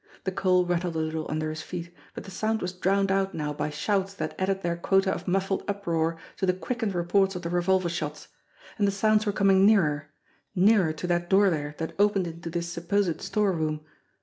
The coal rattled a little under his feet, but the sound was drowned out now by shouts that added their quota of muf fled uproar to the quickened reports of the revolver shots and the sounds were coming nearer, nearer to that door there that opened into this supposed storeroom.